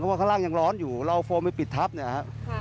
เพราะว่าข้างล่างยังร้อนอยู่เราโฟมไปปิดทับเนี่ยฮะ